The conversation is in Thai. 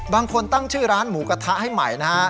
บางคนตั้งชื่อร้านหมูกระทะให้ใหม่นะฮะ